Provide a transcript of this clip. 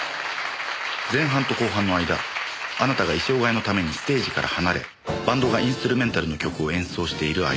前半と後半の間あなたが衣装替えのためにステージから離れバンドがインストゥルメンタルの曲を演奏している間。